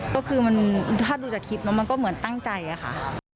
ก็คือมันถ้าดูจากคลิปแล้วมันก็เหมือนตั้งใจอะค่ะ